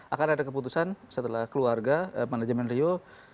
akan ada keputusan setelah keluarga manajemen rio